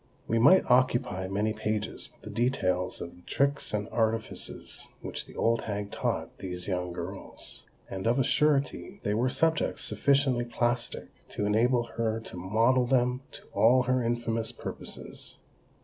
We might occupy many pages with the details of the tricks and artifices which the old hag taught these young girls. And of a surety, they were subjects sufficiently plastic to enable her to model them to all her infamous purposes.